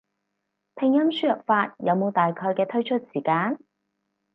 拼音輸入法有冇大概嘅推出時間？